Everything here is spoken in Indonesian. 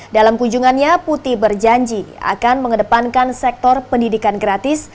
dalam kunjungannya putih berjanji akan mengedepankan sektor pendidikan gratis